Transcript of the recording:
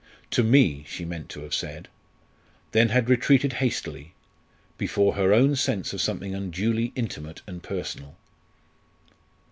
"To me," she meant to have said; then had retreated hastily, before her own sense of something unduly intimate and personal.